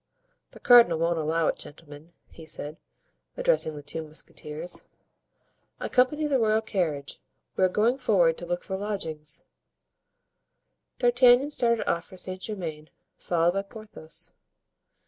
"The cardinal won't allow it. Gentlemen," he said, addressing the two musketeers, "accompany the royal carriage, we are going forward to look for lodgings." D'Artagnan started off for Saint Germain, followed by Porthos.